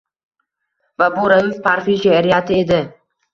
Va bu Rauf Parfi she’riyati edi.